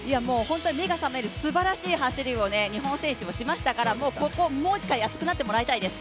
目がさめるすばらしい走りを日本選手もしましたからもうここ、もう一回、熱くなってほしいです。